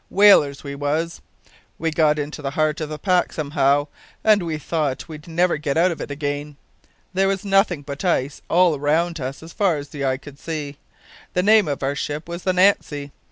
Whalers we was. We got into the heart of the pack somehow, and we thought we'd never get out of it again. There was nothin' but ice all round us as far as the eye could see. The name of our ship was the Nancy.